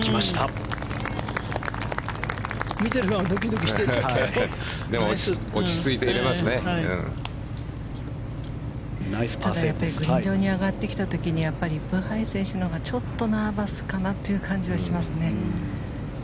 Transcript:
ただグリーン上に上がってきた時にブハイ選手のほうがちょっとナーバスかなという感じはしますね。